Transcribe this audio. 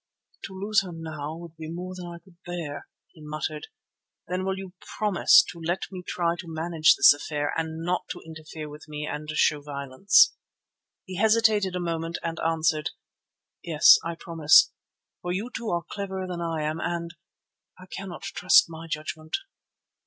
"To lose her now would be more than I could bear," he muttered. "Then will you promise to let me try to manage this affair and not to interfere with me and show violence?" He hesitated a moment and answered: "Yes, I promise, for you two are cleverer than I am and—I cannot trust my judgment."